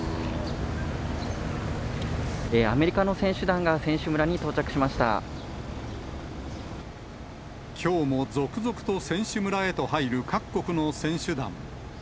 アメリカの選手団が選手村にきょうも続々と選手村へと入る各国の選手団。